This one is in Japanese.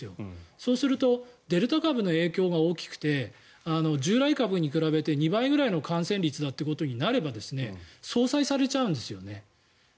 そうするとデルタ株の影響が大きくて従来株に比べて２倍ぐらいの感染率となれば相殺されちゃうんですよね。